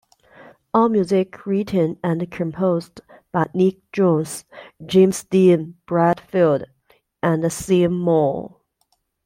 All music written and composed by Nick Jones, James Dean Bradfield and Sean Moore.